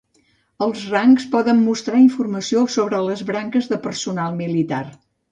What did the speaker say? Els rangs poden mostrar informació sobre les branques de personal militar.